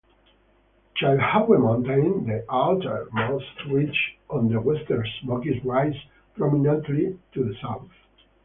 Chilhowee Mountain, the outermost ridge of the Western Smokies, rises prominently to the south.